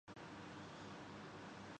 یہیں کی پیداوار نہیں؟